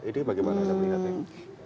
ini bagaimana anda melihatnya